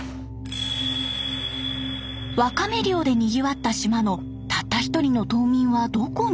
ワカメ漁でにぎわった島のたった１人の島民はどこに？